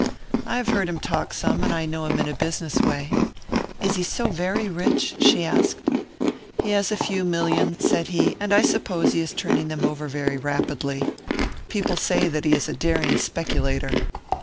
"I have heard him talk some, and I know him in a business way." "Is he so very rich?" she asked. "He has a few millions," said he. "And I suppose he is turning them over very rapidly. People say that he is a daring speculator."